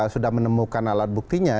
sudah menemukan alat buktinya